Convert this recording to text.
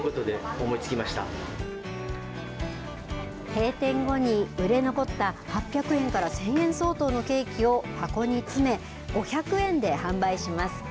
閉店後に売れ残った８００円から１０００円相当のケーキを箱に詰め５００円で販売します。